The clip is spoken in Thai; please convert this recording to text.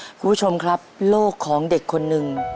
คุณผู้ชมครับโลกของเด็กคนหนึ่ง